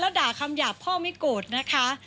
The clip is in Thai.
แล้วด่าคำยาบพ่อไม่โกฏนะคะ